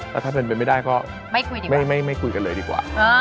แล้วถ้าเป็นไปไม่ได้ก็ไม่คุยกันเลยดีกว่า